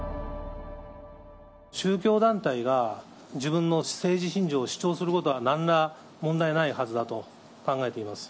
宗教団体が自分の政治信条を主張することは、なんら問題ないはずだと考えています。